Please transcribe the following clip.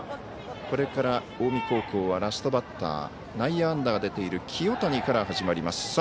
これから近江高校はラストバッター内野安打が出ている清谷から始まります。